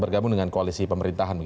bergabung dengan koalisi pemerintahan